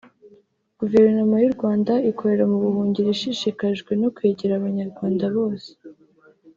Guverinoma y’u Rwanda ikorera mu buhungiro ishishikajwe no kwegera Abanyarwanda bose